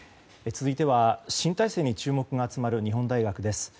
続いては、新体制に注目が集まる日本大学です。